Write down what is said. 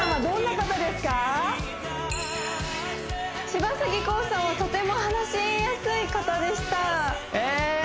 柴咲コウさんはとても話しやすい方でしたえ